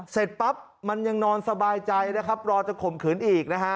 เสร็จปั๊บมันยังนอนสบายใจรอจะข่มขืนอีก